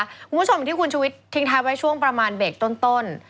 คุณผู้ชมที่คุณชุวิตทิ้งทายไว้ช่วงประมาณเบกต้น